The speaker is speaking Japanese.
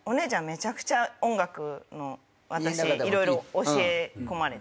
めちゃくちゃ音楽の私色々教え込まれて。